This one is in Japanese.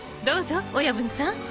どうぞ親分さん。